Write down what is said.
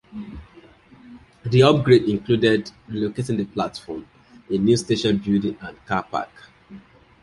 The upgrade included relocating the platform, a new station building and car park.